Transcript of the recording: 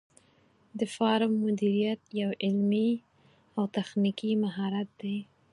د فارم مدیریت یو علمي او تخنیکي مهارت دی.